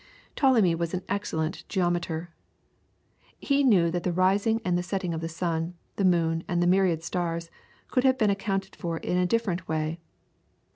Ptolemy was an excellent geometer. He knew that the rising and the setting of the sun, the moon, and the myriad stars, could have been accounted for in a different way.